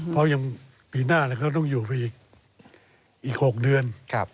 เพราะยังปีหน้าเขาต้องอยู่ไปอีก๖เดือน